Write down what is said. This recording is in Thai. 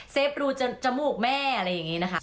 รูจมูกแม่อะไรอย่างนี้นะคะ